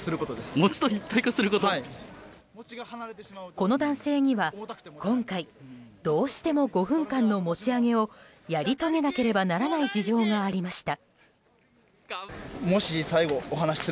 この男性には今回どうしても５分間の餅上げをやり遂げなければならない事情がありました。